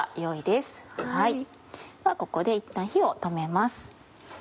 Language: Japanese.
ではここでいったん火を止めます。